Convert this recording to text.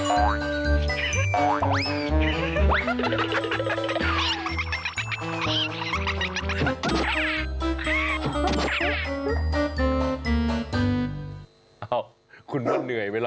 เอ้าคุณว่าเหนื่อยไหมล่ะ